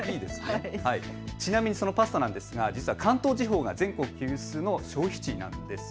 ちなみにそのパスタですが関東地方が全国有数の消費地なんです。